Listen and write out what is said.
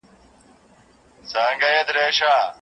کمپيوټر ماډل لري.